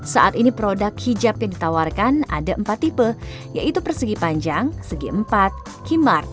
saat ini produk hijab yang ditawarkan ada empat tipe yaitu persegi panjang segi empat kimark